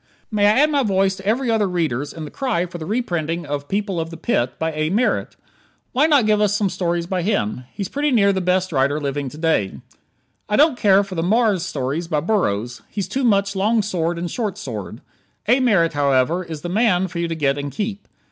May I add my voice to every other reader's in the cry for the reprinting of "People of the Pit," by A. Merritt? Why not give us some stories by him? He's pretty near the best writer living to day. I don't care for the Mars stories by Burroughs. He's too much long sword and short sword. A Merritt, however, is the man for you to get and keep.